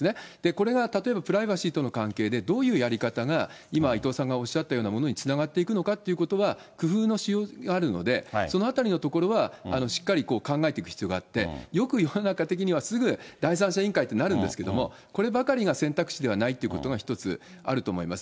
これが例えばプライバシーとの関係で、どういうやり方が、今、伊藤さんがおっしゃったようなものにつながっていくのかっていうのは、工夫のしようがあるので、そのあたりのところはしっかり考えていく必要があって、よく世の中的には、すぐ第三者委員会ってなるんですけれども、こればかりが選択肢ではないってことが一つあると思います。